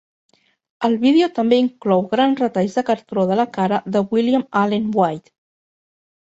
El vídeo també inclou grans retalls de cartró de la cara de William Allen White.